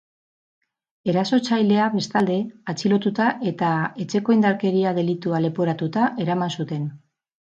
Erasotzailea, bestalde, atxilotuta eta etxeko indarkeeria delitua leporatuta eraman zuten.